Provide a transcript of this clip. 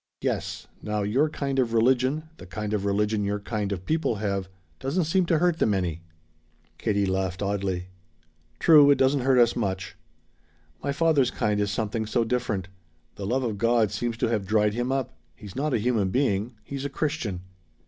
"Yes; now your kind of religion the kind of religion your kind of people have, doesn't seem to hurt them any." Katie laughed oddly. "True; it doesn't hurt us much." "My father's kind is something so different. The love of God seems to have dried him up. He's not a human being. He's a Christian."